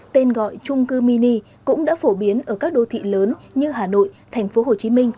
tên gọi trung cư mini cũng đã phổ biến ở các đô thị lớn như hà nội tp hcm